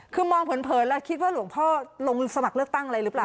คือมองเผินแล้วคิดว่าหลวงพ่อลงสมัครเลือกตั้งอะไรหรือเปล่า